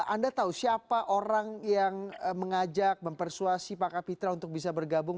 anda tahu siapa orang yang mengajak mempersuasi pak kapitra untuk bisa bergabung